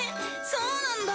そうなんだ